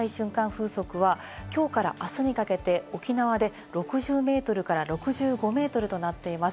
風速は、きょうからあすにかけて、沖縄で６０メートルから６５メートルとなっています。